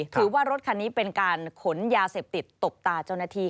ถือว่ารถคันนี้เป็นการขนยาเสพติดตบตาเจ้าหน้าที่